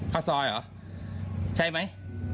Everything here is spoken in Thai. ข้าวซอยเหรอใช่ไหม